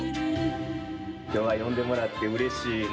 今日は呼んでもらってうれしいな。